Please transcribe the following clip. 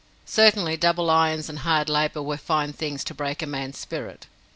Certainly double irons and hard labour were fine things to break a man's spirit.